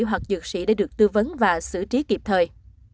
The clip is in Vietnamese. hoặc dược sĩ để được tư vấn và xử trí kịp thời